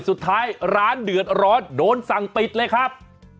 สุดท้ายร้านเดือดร้อนโดนสั่งปิดเลยครับ